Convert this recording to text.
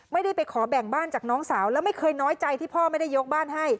ไม่ได้ไปขอแบ่งบ้านจากน้องสาวแล้วไม่เคยน้อยใจที่พ่อไม่ได้ยกบ้านให้